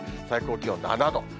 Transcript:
最高気温７度。